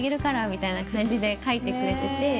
みたいな感じで書いてくれてて。